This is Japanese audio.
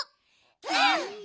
うん！